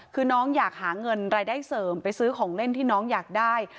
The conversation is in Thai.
คือน้องอยากหาเงินรายได้เสริมไปซื้อของเล่นที่น้องอยากได้